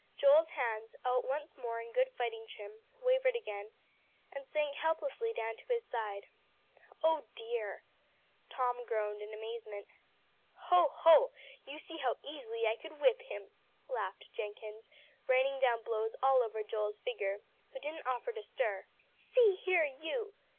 Joel's hands, out once more in good fighting trim, wavered again, and sank helplessly down to his side. "Oh dear!" Tom groaned in amazement. "Hoh hoh! you see how easy I could whip him," laughed Jenkins, raining down blows all over Joel's figure, who didn't offer to stir. "See here you!"